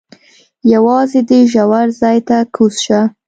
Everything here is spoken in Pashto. یوازې دې ژور ځای ته کوز شه.